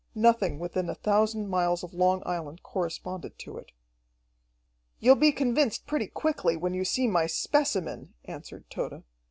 Nothing within a thousand miles of Long Island corresponded to it. "You'll be convinced pretty quickly, when you see my specimen," answered Tode.